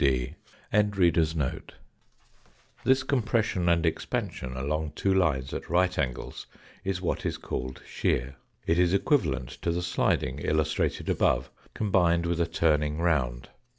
4 50 THE FOURTH DIMENSION This compression and expansion along two lines at right angles is what is called shear; it is equivalent to the sliding illustrated above, combined with a turning round.